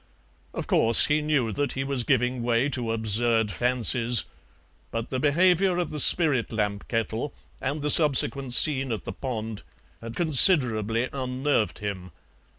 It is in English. Of course he knew that he was giving way to absurd fancies, but the behaviour of the spirit lamp kettle and the subsequent scene at the pond had considerably unnerved him.